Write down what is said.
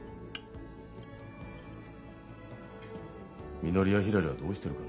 みのりやひらりはどうしてるかな。